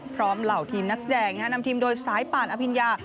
เหล่าทีมนักแสดงนำทีมโดยสายป่านอภิญญา